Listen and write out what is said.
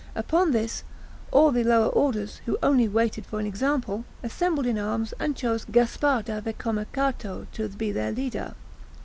Upon this, all the lower orders, who only waited for an example, assembled in arms, and chose Gasparre da Vicomercato to be their leader.